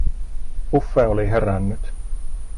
Uffe oli herännyt.